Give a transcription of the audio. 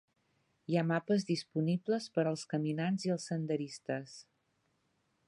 Hi ha mapes disponibles per als caminants i els senderistes.